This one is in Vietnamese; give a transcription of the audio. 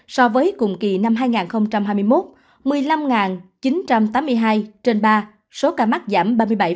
so với cùng kỳ năm hai nghìn hai mươi một một mươi năm chín trăm tám mươi hai trên ba số ca mắc giảm ba mươi bảy